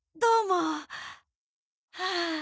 はあ。